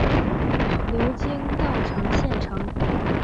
流经稻城县城。